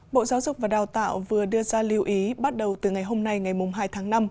bộ giáo dục và đào tạo vừa đưa ra lưu ý bắt đầu từ ngày hôm nay ngày hai tháng năm